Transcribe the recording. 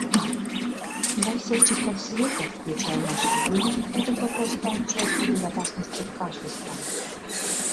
Во всех частях света, включая наш регион, этот вопрос стал частью безопасности каждой страны.